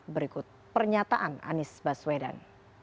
berikut pernyataan anies baswedan